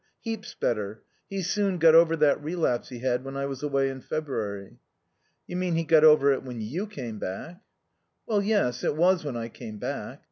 Heaps better. He soon got over that relapse he had when I was away in February." "You mean he got over it when you came back." "Well, yes, it was when I came back.